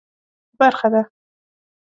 برخه ده.